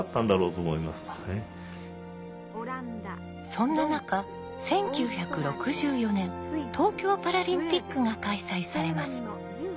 そんな中１９６４年東京パラリンピックが開催されます。